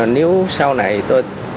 nếu sau này tôi